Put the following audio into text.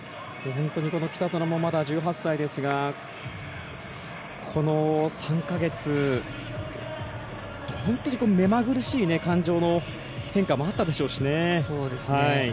北園も、まだ１８歳ですがこの３か月、本当に目まぐるしい感情の変化もあったでしょうしね。